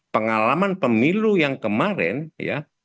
pengalaman pemilu yang kemarin ya